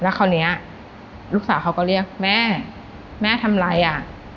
คราวนี้ลูกสาวเขาก็เรียกแม่แม่ทำอะไรอ่ะ